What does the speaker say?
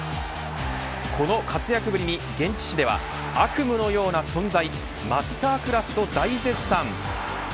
この活躍ぶりに現地紙では悪夢のような存在マスタークラス、と大絶賛。